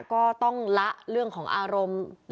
ก็ต้องละเรื่องของอารมณ์